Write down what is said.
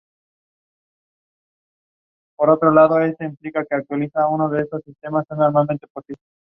Boundary disputes followed the purchase.